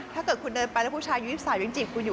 ถ้าเกิดคุณเดินไปแล้วผู้ชายอายุ๒๓ยังจีบกูอยู่